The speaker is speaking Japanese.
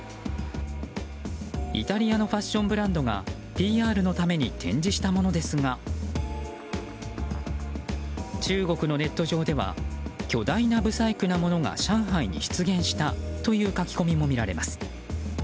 イタリアのファッションブランドがＰＲのために展示したものですが中国のネット上では巨大な不細工なものが上海に出現したという書き込みも見られます。